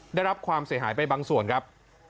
ได้รับความเสียหายไปบางส่วนครับ